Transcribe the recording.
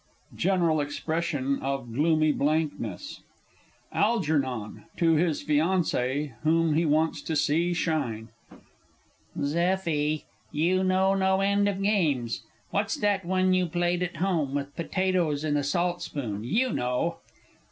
[General expression of gloomy blankness. ALGERNON (to his Fiancée whom he wants to see shine). Zeffie, you know no end of games what's that one you played at home, with potatoes and a salt spoon, you know?